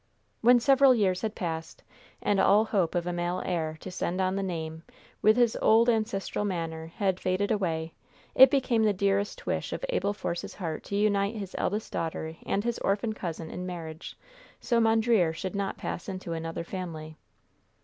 When several years had passed, and all hope of a male heir to send on the name with his old ancestral manor had faded away, it became the dearest wish of Abel Force's heart to unite his eldest daughter and his orphan cousin in marriage, so that Mondreer should not pass into another family.